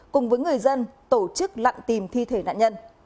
cùng với người dân tổ chức lặng tìm thi thể nạn nhân